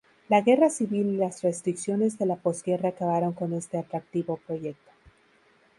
La Guerra Civil y las restricciones de la posguerra acabaron con este atractivo proyecto.